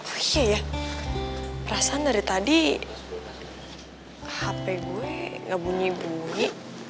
oh iya perasaan dari tadi hp gue gak bunyi bunyi